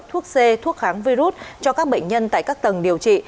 thuốc c thuốc kháng virus cho các bệnh nhân tại các tầng điều trị